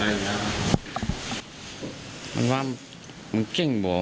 พุ่งเข้ามาแล้วกับแม่แค่สองคน